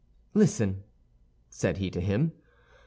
"Listen," said he to him.